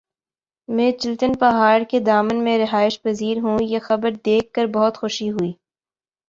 میں چلتن پہاڑ کے دامن میں رہائش پزیر ھوں یہ خبر دیکھ کر بہت خوشی ہوئ